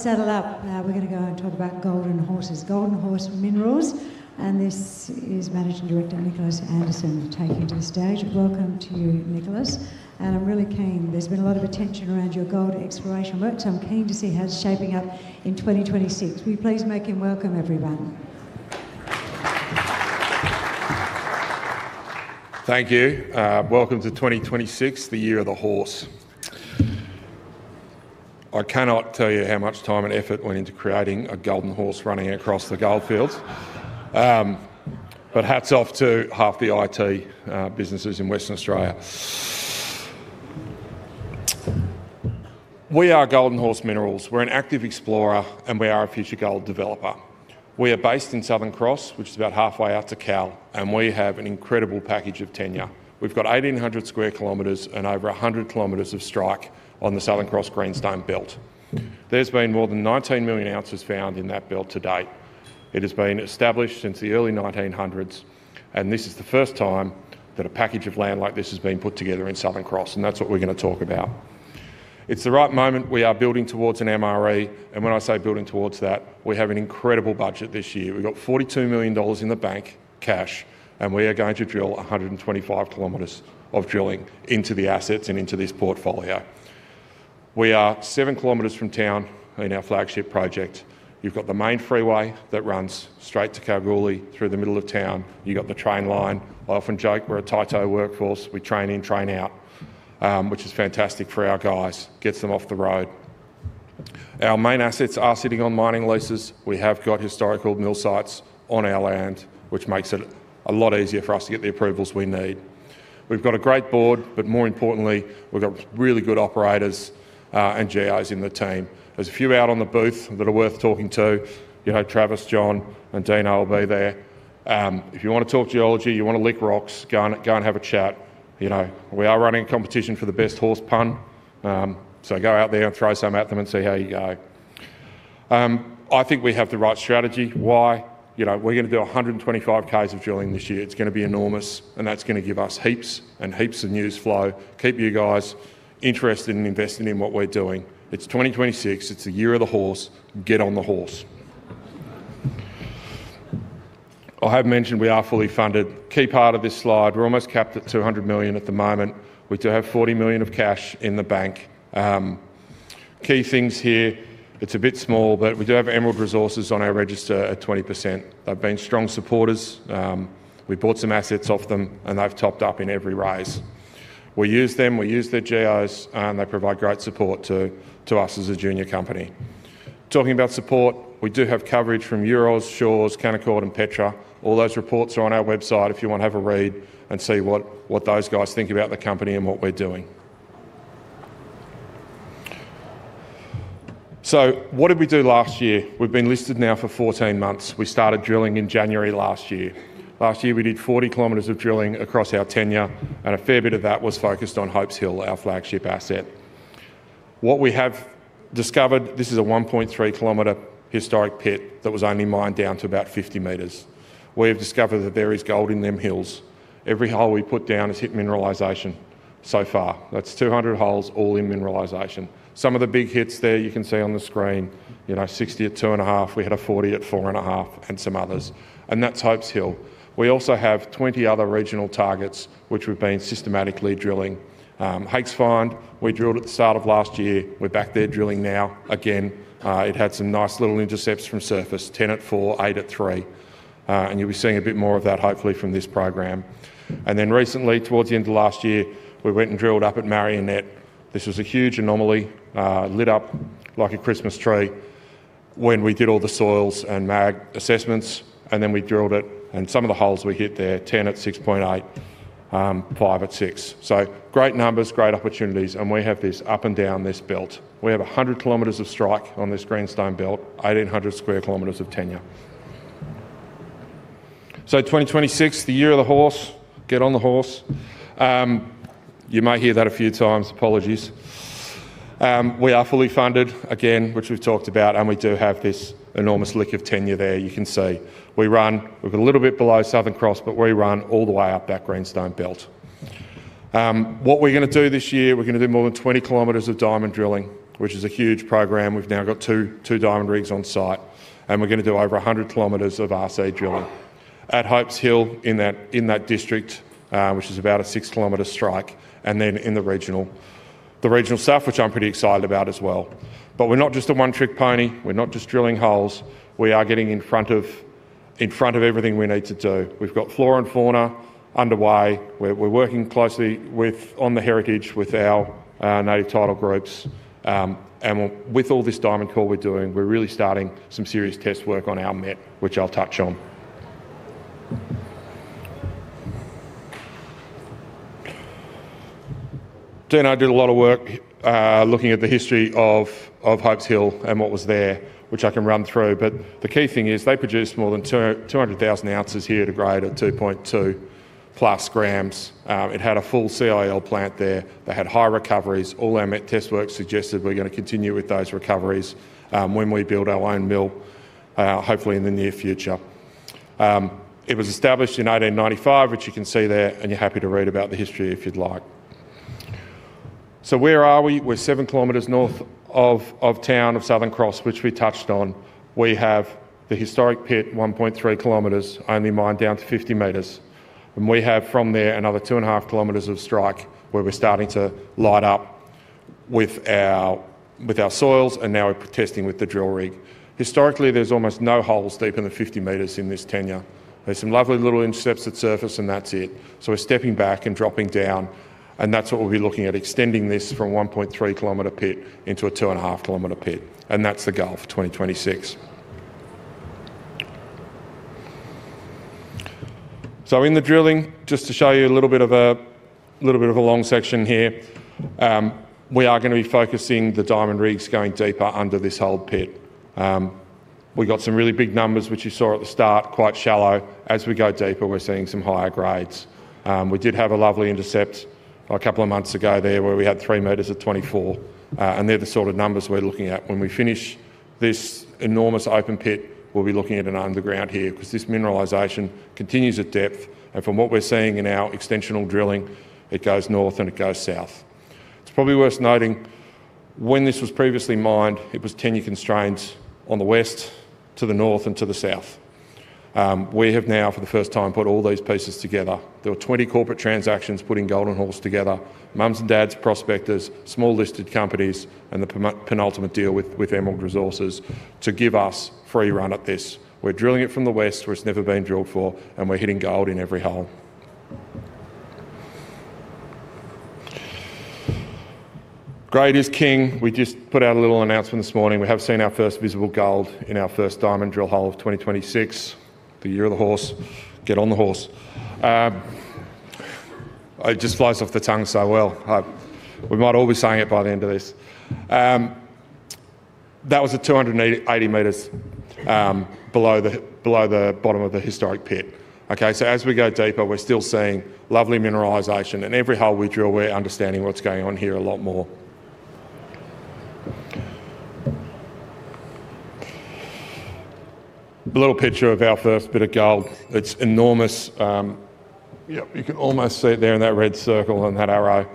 Saddle up, we're gonna go and talk about golden horses. Golden Horse Minerals, and this is Managing Director Nicholas Anderson taking to the stage. Welcome to you, Nicholas, and I'm really keen. There's been a lot of attention around your gold exploration work, so I'm keen to see how it's shaping up in 2026. Will you please make him welcome, everyone? Thank you. Welcome to 2026, the Year of the Horse. I cannot tell you how much time and effort went into creating a golden horse running across the gold fields. But hats off to half the IT businesses in Western Australia. We are Golden Horse Minerals. We're an active explorer, and we are a future gold developer. We are based in Southern Cross, which is about halfway out to Kal, and we have an incredible package of tenure. We've got 1800 sq km and over 100 km of strike on the Southern Cross Greenstone Belt. There's been more than 19 million ounces found in that belt to date. It has been established since the early 1900s, and this is the first time that a package of land like this has been put together in Southern Cross, and that's what we're gonna talk about. It's the right moment. We are building towards an MRE, and when I say building towards that, we have an incredible budget this year. We've got 42 million dollars in the bank, cash, and we are going to drill 125 kilometers of drilling into the assets and into this portfolio. We are 7 kilometers from town in our flagship project. You've got the main freeway that runs straight to Kalgoorlie through the middle of town. You've got the train line. I often joke we're a TITO workforce. We train in, train out, which is fantastic for our guys, gets them off the road. Our main assets are sitting on mining leases. We have got historical mill sites on our land, which makes it a lot easier for us to get the approvals we need. We've got a great board, but more importantly, we've got really good operators and GIs in the team. There's a few out on the booth that are worth talking to. You know, Travis, John, and Dana will be there. If you wanna talk geology, you wanna lick rocks, go and have a chat. You know, we are running a competition for the best horse pun, so go out there and throw some at them and see how you go. I think we have the right strategy. Why? You know, we're gonna do 125 Ks of drilling this year. It's gonna be enormous, and that's gonna give us heaps and heaps of news flow, keep you guys interested in investing in what we're doing. It's 2026, it's the Year of the Horse. Get on the horse. I have mentioned we are fully funded. Key part of this slide, we're almost capped at 200 million at the moment. We do have 40 million of cash in the bank. Key things here, it's a bit small, but we do have Emerald Resources on our register at 20%. They've been strong supporters. We bought some assets off them, and they've topped up in every rise. We use them, we use their GIs, and they provide great support to, to us as a junior company. Talking about support, we do have coverage from Euroz Hartleys, Canaccord Genuity, and Petra Capital. All those reports are on our website if you want to have a read and see what, what those guys think about the company and what we're doing. So what did we do last year? We've been listed now for 14 months. We started drilling in January last year. Last year, we did 40 kilometers of drilling across our tenure, and a fair bit of that was focused on Hopes Hill, our flagship asset. What we have discovered, this is a 1.3-kilometer historic pit that was only mined down to about 50 meters. We have discovered that there is gold in them hills. Every hole we put down has hit mineralization so far. That's 200 holes, all in mineralization. Some of the big hits there you can see on the screen, you know, 60 at 2.5, we had a 40 at 4.5, and some others, and that's Hopes Hill. We also have 20 other regional targets, which we've been systematically drilling. Hakes Find, we drilled at the start of last year. We're back there drilling now again. It had some nice little intercepts from surface, 10 at 4, 8 at 3, and you'll be seeing a bit more of that, hopefully, from this program. Then recently, towards the end of last year, we went and drilled up at Marionette. This was a huge anomaly, lit up like a Christmas tree when we did all the soils and mag assessments, and then we drilled it, and some of the holes we hit there, 10 at 6.8, 5 at 6. So great numbers, great opportunities, and we have this up and down this belt. We have 100 kilometers of strike on this Greenstone Belt, 1,800 square kilometers of tenure. So 2026, the Year of the Horse. Get on the horse. You may hear that a few times. Apologies. We are fully funded, again, which we've talked about, and we do have this enormous block of tenure there you can see. We run a little bit below Southern Cross, but we run all the way up that Greenstone Belt. What we're gonna do this year, we're gonna do more than 20 kilometers of diamond drilling, which is a huge program. We've now got two diamond rigs on site, and we're gonna do over 100 kilometers of RC drilling at Hopes Hill, in that, in that district, which is about a 6-kilometer strike, and then in the regional, the regional south, which I'm pretty excited about as well. But we're not just a one-trick pony, we're not just drilling holes, we are getting in front of, in front of everything we need to do. We've got flora and fauna underway. We're working closely on the heritage with our native title groups. And with all this diamond core we're doing, we're really starting some serious test work on our Met, which I'll touch on. Dana did a lot of work looking at the history of Hopes Hill and what was there, which I can run through. But the key thing is, they produced more than 200,000 ounces here to grade at 2.2+ grams. It had a full CIL plant there. They had high recoveries. All our Met test work suggested we're gonna continue with those recoveries when we build our own mill, hopefully in the near future. It was established in 1895, which you can see there, and you're happy to read about the history if you'd like. So where are we? We're seven kilometers north of town of Southern Cross, which we touched on. We have the historic pit, 1.3 kilometers, only mined down to 50 meters, and we have from there another 2.5 kilometers of strike, where we're starting to light up with our soils, and now we're testing with the drill rig. Historically, there's almost no holes deeper than 50 meters in this tenure. There's some lovely little intercepts at surface, and that's it. So we're stepping back and dropping down, and that's what we'll be looking at, extending this from a 1.3-kilometer pit into a 2.5-kilometer pit, and that's the goal for 2026. So in the drilling, just to show you a little bit of a long section here, we are gonna be focusing the diamond rigs going deeper under this whole pit. We got some really big numbers, which you saw at the start, quite shallow. As we go deeper, we're seeing some higher grades. We did have a lovely intercept a couple of months ago there, where we had 3 meters at 24, and they're the sort of numbers we're looking at. When we finish this enormous open pit, we'll be looking at an underground here, 'cause this mineralization continues at depth, and from what we're seeing in our extensional drilling, it goes north, and it goes south. It's probably worth noting, when this was previously mined, it was tenure constraints on the west to the north and to the south. We have now, for the first time, put all these pieces together. There were 20 corporate transactions putting Golden Horse together, moms and dads, prospectors, small listed companies, and the penultimate deal with Emerald Resources to give us free run at this. We're drilling it from the west, where it's never been drilled for, and we're hitting gold in every hole. Grade is king. We just put out a little announcement this morning. We have seen our first visible gold in our first diamond drill hole of 2026, the year of the horse. Get on the horse. It just flies off the tongue so well. We might all be saying it by the end of this. That was at 280 meters below the bottom of the historic pit. Okay, so as we go deeper, we're still seeing lovely mineralization, and every hole we drill, we're understanding what's going on here a lot more. A little picture of our first bit of gold. It's enormous. Yep, you can almost see it there in that red circle and that arrow.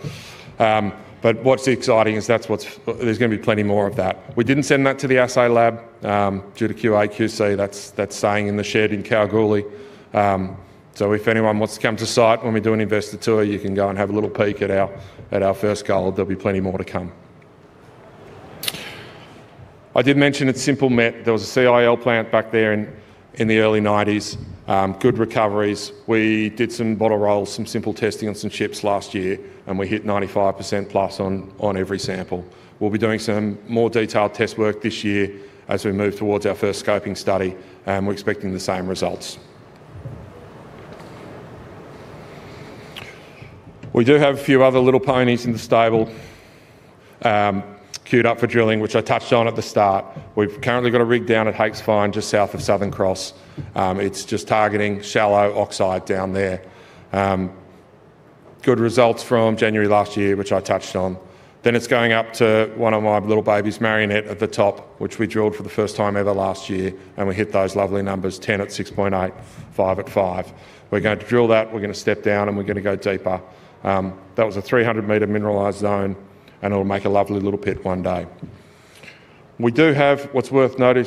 But what's exciting is that's what's... There's gonna be plenty more of that. We didn't send that to the assay lab, due to QA/QC. That's, that's staying in the shed in Kalgoorlie. So if anyone wants to come to site when we do an investor tour, you can go and have a little peek at our, at our first gold. There'll be plenty more to come. I did mention it's simple met. There was a CIL plant back there in, in the early nineties. Good recoveries. We did some bottle rolls, some simple testing on some chips last year, and we hit 95% plus on every sample. We'll be doing some more detailed test work this year as we move towards our first scoping study, and we're expecting the same results. We do have a few other little ponies in the stable, queued up for drilling, which I touched on at the start. We've currently got a rig down at Hakes Find, just south of Southern Cross. It's just targeting shallow oxide down there. Good results from January last year, which I touched on. Then it's going up to one of my little babies, Marionette, at the top, which we drilled for the first time ever last year, and we hit those lovely numbers, 10 at 6.8, 5 at 5. We're going to drill that, we're gonna step down, and we're gonna go deeper. That was a 300-meter mineralized zone, and it'll make a lovely little pit one day. We do have what's worth noting,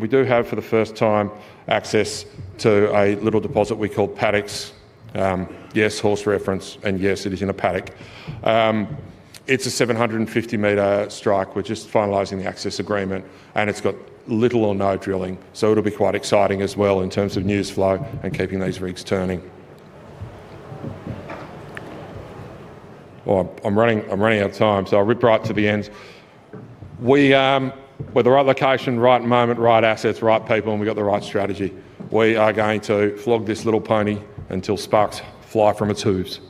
for the first time, access to a little deposit we call Paddocks. Yes, horse reference, and yes, it is in a paddock. It's a 750-meter strike. We're just finalizing the access agreement, and it's got little or no drilling, so it'll be quite exciting as well in terms of news flow and keeping these rigs turning. Well, I'm running out of time, so I'll rip right to the end. We're the right location, right moment, right assets, right people, and we've got the right strategy. We are going to flog this little pony until sparks fly from its hooves. Thank you.